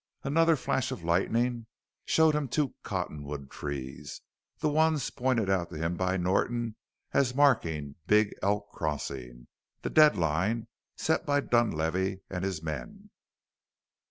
Another flash of lightning showed him two cotton wood trees the ones pointed out to him by Norton as marking Big Elk crossing the dead line set by Dunlavey and his men.